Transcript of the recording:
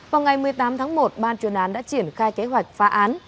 vào ngày một mươi tám tháng một ban chuyên án đã triển khai kế hoạch phá án